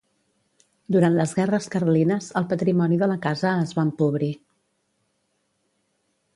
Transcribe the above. Durant les guerres carlines el patrimoni de la casa es va empobrir.